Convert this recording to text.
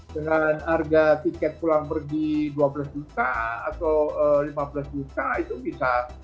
dengan harga tiket pulang pergi dua belas juta atau lima belas juta itu bisa